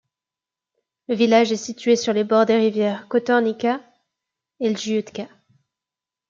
Le village est situé sur les bords des rivières Kotornica et Ljuča.